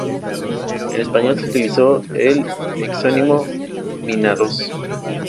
En español se utiliza el exónimo "Vinaroz".